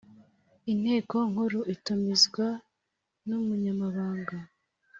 Inteko Nkuru itumizwa n’Umunyamabanga